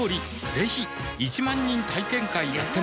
ぜひ１万人体験会やってます